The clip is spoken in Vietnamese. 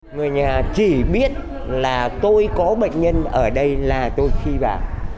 người nhà chỉ biết là tôi có bệnh nhân ở đây là tôi khi vào